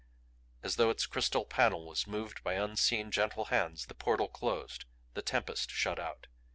As though its crystal panel was moved by unseen, gentle hands, the portal closed; the tempest shut out.